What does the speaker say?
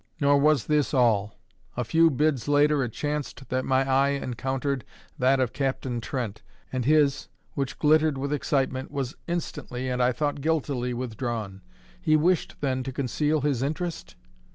Nor was this all. A few bids later it chanced that my eye encountered that of Captain Trent, and his, which glittered with excitement, was instantly, and I thought guiltily, withdrawn. He wished, then, to conceal his interest?